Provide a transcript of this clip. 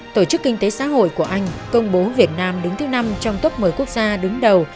tổ chức kinh tế xã hội của anh công bố việt nam đứng thứ năm trong top một mươi quốc gia đứng đầu